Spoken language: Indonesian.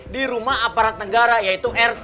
dirumah aparat negara yaitu rt